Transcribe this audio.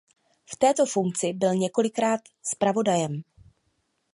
V této funkci byl několikrát zpravodajem.